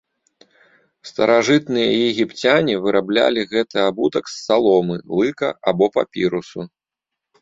Старажытныя егіпцяне выраблялі гэты абутак з саломы, лыка або папірусу.